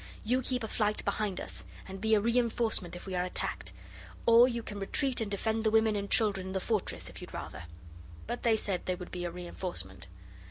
You keep a flight behind us, and be a reinforcement if we are attacked. Or you can retreat and defend the women and children in the fortress, if you'd rather.' But they said they would be a reinforcement.